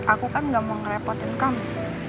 aku kan gak mau ngerepotin kamu